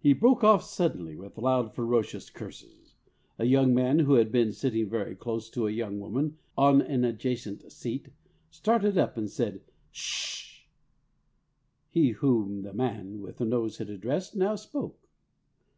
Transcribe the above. He broke off suddenly, with loud ferocious curses. A young man who had been sitting very close to a young woman on an adjacent seat, started up and said "Ssh!". He whom the man with the nose had addressed now spoke.